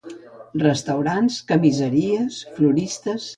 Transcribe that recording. Restaurants, camiseries, floristes.